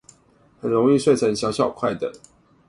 很容易碎成小小塊的